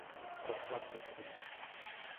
Ҡортлап бөтһөн.